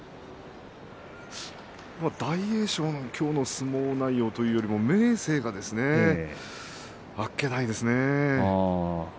大栄翔の今日の相撲内容というよりも明生があっけないですね。